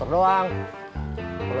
segini kayak seronot ya